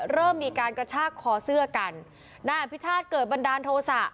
เริ่มมีการกระชากคอเสื้อกันนายอภิชาติเกิดบันดาลโทษะ